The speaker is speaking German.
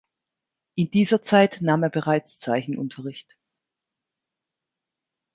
In dieser Zeit nahm er bereits Zeichenunterricht.